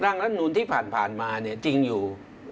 ร่างรัฐนุนที่ผ่านมาจริงอยู่